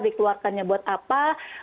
dikeluarkannya buat apa